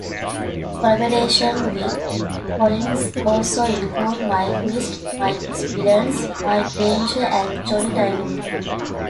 Collaborations with Collins also include "Mike Mist", "Mickey Spillane's Mike Danger" and "Johnny Dynamite".